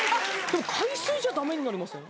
海水じゃダメになりません？